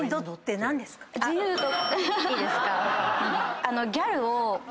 いいですか？